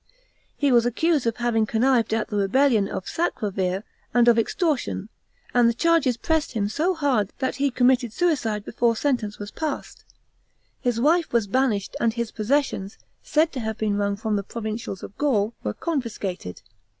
He was accused of having connived at the rebellion of Sacrovir and of extortion, and the charges pressed him so hard that he committed suicide before sentence was passed. His wife was banished, and his possessions, said to have been wrung from the provincials of Gaul, were confiscated.